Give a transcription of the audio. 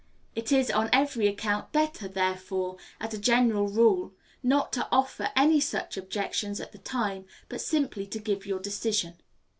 It is on every account better, therefore as a general rule not to offer any such objections at the time, but simply to give your decision.